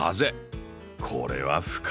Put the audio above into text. これは深いです。